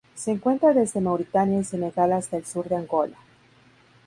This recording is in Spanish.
Se encuentra desde Mauritania y Senegal hasta el sur de Angola.